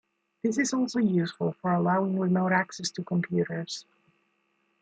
This is also useful for allowing remote access to computers.